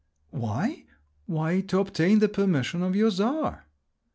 Why, to obtain the permission of your Tsar."